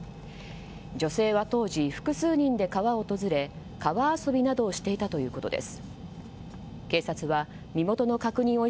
女性は当時、複数人で川を訪れ川遊びなどをしていたということです。